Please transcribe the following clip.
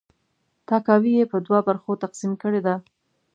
تاکاوی یې په دوه برخو تقسیم کړې ده.